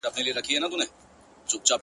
د ملالۍ له پلوونو سره لوبي کوي.!